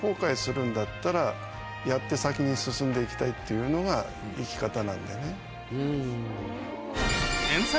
やって先に進んで行きたいっていうのが生き方なんでね。